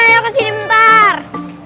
ayo kesini bentar